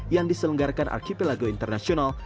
yang diselenggarkan archipelago internasional